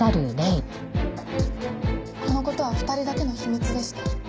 この事は２人だけの秘密でした。